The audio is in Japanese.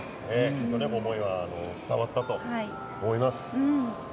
きっと思いは伝わったと思います。